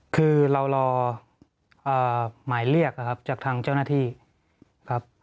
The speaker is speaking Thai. คือเรารอหมายเรียกนะครับจากทางเจ้าหน้าที่ครับ